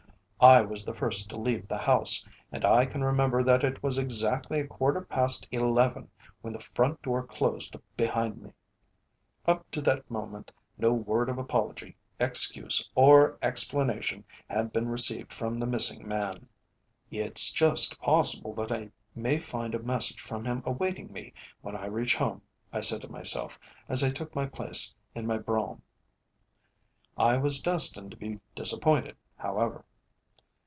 I was the first to leave the house, and I can remember that it was exactly a quarter past eleven when the front door closed behind me. Up to that moment no word of apology, excuse, or explanation had been received from the missing man. "It's just possible that I may find a message from him awaiting me when I reach home," I said to myself as I took my place in my brougham. I was destined to be disappointed, however.